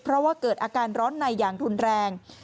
เพราะว่าเกิดอาการร้อนในอย่างรุนแรง